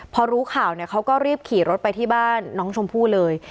พอรู้ข่าวเนี่ยเขาก็รีบขี่รถไปที่บ้านน้องชมพู่เลย